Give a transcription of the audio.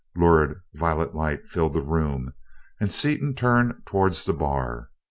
Lurid violet light filled the room, and Seaton turned towards the bar.